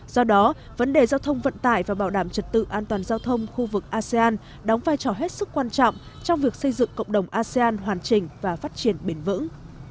do đó vấn đề giao thông vận tải và bảo đảm trật tự an toàn giao thông khu vực asean đóng vai trò hết sức quan trọng trong việc xây dựng cộng đồng asean hoàn chỉnh và phát triển bền vững